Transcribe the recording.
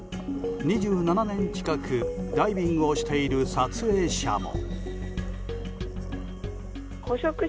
２７年近くダイビングをしている撮影者も。